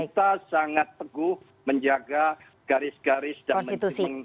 kita sangat teguh menjaga garis garis dan menjaga konstitusi kita